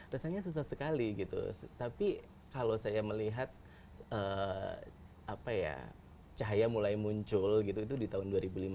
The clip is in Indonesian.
rasanya susah sekali gitu tapi kalau saya melihat cahaya mulai muncul gitu itu di tahun dua ribu lima belas